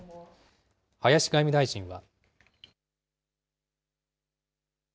林外務大臣は。